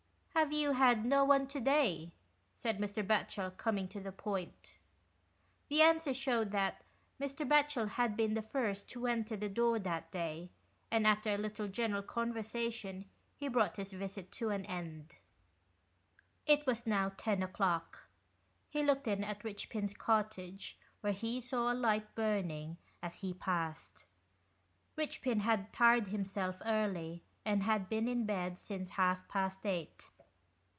"Have you had no one to day?" said Mr. Batchel, coming to the point. The answer showed that Mr. Batchel had been the first to enter the door that day, and after a little general conversation he brought his visit to an end. It was now ten o'clock. He looked in at Eichpin's cottage, where he saw a light burning, as he passed. Eichpin had tired him self early, and had been in bed since half past eight.